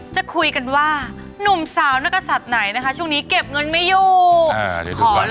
จะคุยกันว่าหนุ่มสาวนักศัตริย์ไหนนะคะช่วงนี้เก็บเงินไม่อยู่